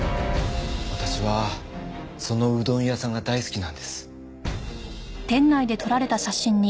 私はそのうどん屋さんが大好きなんです。